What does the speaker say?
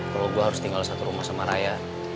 kalau gue harus tinggal satu rumah sama raya